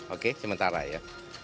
oke sementara ya